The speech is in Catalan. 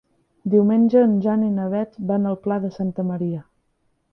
Diumenge en Jan i na Beth van al Pla de Santa Maria.